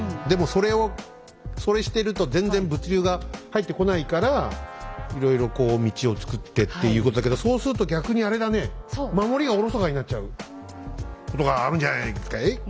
でもそれをそれしてると全然物流が入ってこないからいろいろこう道をつくってっていうことだけどそうすると逆にあれだね守りがおろそかになっちゃうことがあるんじゃないですかい？